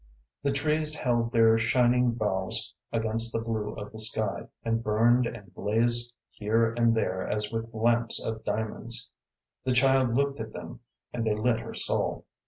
The trees held their shining boughs against the blue of the sky, and burned and blazed here and there as with lamps of diamonds. The child looked at them, and they lit her soul.